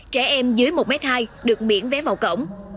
trẻ em dưới một m hai được miễn vé vào cổng